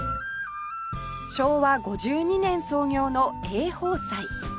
昭和５２年創業の栄豊齋